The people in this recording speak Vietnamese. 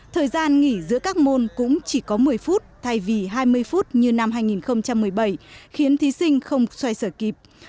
thời gian nghỉ giữa các môn cũng chỉ có một mươi phút thay vì hai mươi phút như năm hai nghìn một mươi bảy khiến thí sinh không xoay sở kịp